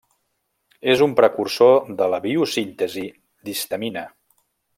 És un precursor de la biosíntesi d'histamina.